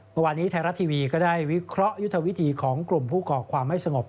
เมื่อวานนี้ไทยรัฐทีวีก็ได้วิเคราะห์ยุทธวิธีของกลุ่มผู้ก่อความไม่สงบ